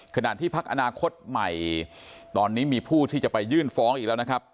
ขณะที่พักอนาคตใหม่ตอนนี้มีผู้ที่จะไปยื่นฟ้องอีกแล้วนะครับ